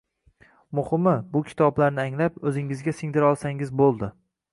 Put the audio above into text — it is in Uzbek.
Muhimi, bu kitoblarni anglab, oʻzingizga singdira olsangiz boʻldi